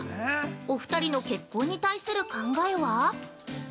お二人の結婚に対する考えは？